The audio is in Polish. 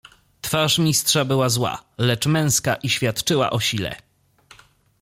"Twarz Mistrza była zła, lecz męska i świadczyła o sile."